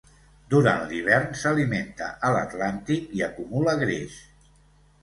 Durant l'hivern s'alimenta a l'Atlàntic i acumula greix.